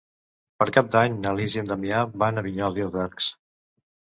Per Cap d'Any na Lis i en Damià van a Vinyols i els Arcs.